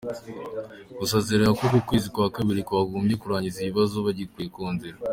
Gusa asezeranyo ko uku kwezi kwa Kabiri kwagombye kurangira ikibazo bagikuye mu nzira .